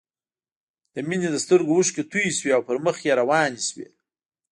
د مينې له سترګو اوښکې توې شوې او پر مخ يې روانې شوې